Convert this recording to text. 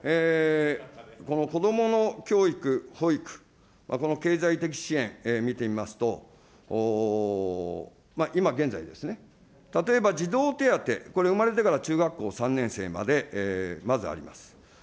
子どもの教育、保育、この経済的支援、見てみますと、今現在ですね、例えば児童手当、これ、生まれてから中学校３年生まで、まずあります。